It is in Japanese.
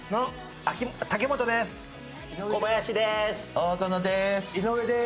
大園です。